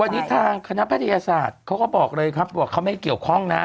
วันนี้ทางคณะแพทยศาสตร์เขาก็บอกเลยครับบอกเขาไม่เกี่ยวข้องนะ